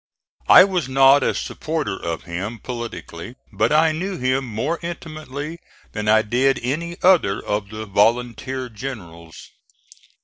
I was not a supporter of him politically, but I knew him more intimately than I did any other of the volunteer generals.